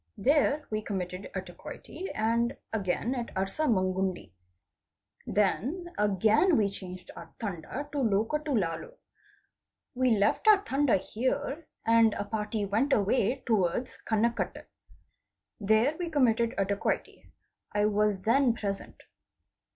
There we committed a dacoity, and again at Arsmangundi. Then again we changed our Tanda to Lokatolalu. We left our Tanda here and a party went away towards Kanakatte. There we committed a dacoity. I was then present.